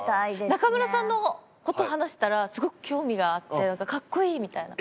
中村さんの事を話したらすごく興味があって「かっこいい！」みたいな。